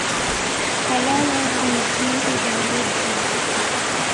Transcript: حلاله روزي عبادت دی.